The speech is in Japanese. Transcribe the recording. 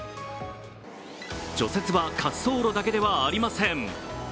除雪は滑走路だけではありません。